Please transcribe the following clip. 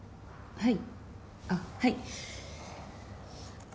はい。